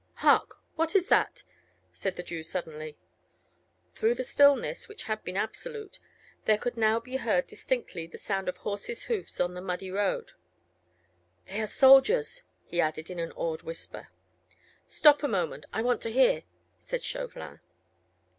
"Hark, what was that?" said the Jew suddenly. Through the stillness, which had been absolute, there could now be heard distinctly the sound of horses' hoofs on the muddy road. "They are soldiers," he added in an awed whisper. "Stop a moment, I want to hear," said Chauvelin.